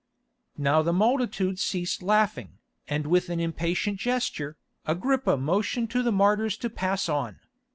Now the multitude ceased laughing, and with an impatient gesture, Agrippa motioned to the martyrs to pass on.